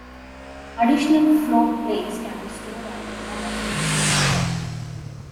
Additional floatplanes can be stored on the grass next to the dock.